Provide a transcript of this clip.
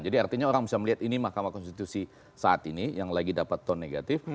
jadi artinya orang bisa melihat ini mahkamah konstitusi saat ini yang lagi dapat ton negatif